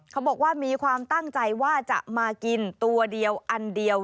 เขาบอกว่ามีความตั้งใจว่าจะมากินตัวเดียวอันเดียว